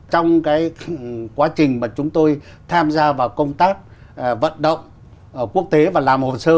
trong cái quá trình mà chúng tôi tham gia vào công tác vận động quốc tế và làm hồ sơ